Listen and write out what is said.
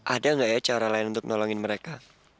ada nggak ya cara lain untuk nolongin mereka